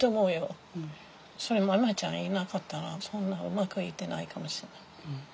それマエちゃんいなかったらそんなうまくいってないかもしれない。